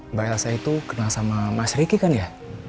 mbak elsa itu kenal sama mas ricky kan ya